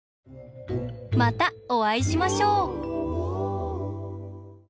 またおあいしましょう。